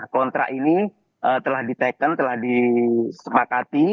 kontrak ini telah diteken telah disepakati